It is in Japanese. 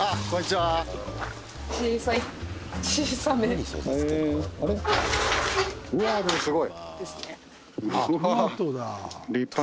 はい。